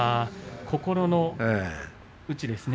心の内ですね。